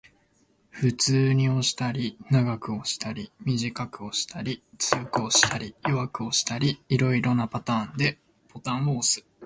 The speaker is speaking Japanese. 普通に押したり、長く押したり、短く押したり、強く押したり、弱く押したり、色々なパターンでボタンを押す